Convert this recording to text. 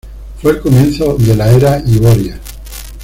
Fue el comienzo de la Era Hiboria.